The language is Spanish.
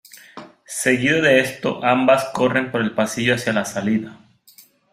Seguido de esto, ambas corren por el pasillo hacia la salida.